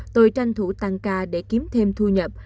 tôi tranh thủ tăng ca để kiếm thêm thu nhập